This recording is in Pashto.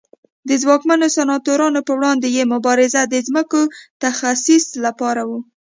د ځواکمنو سناتورانو پر وړاندې یې مبارزه د ځمکو تخصیص لپاره وه